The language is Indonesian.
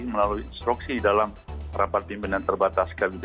melalui instruksi dalam rapat pimpinan terbatas covid sembilan belas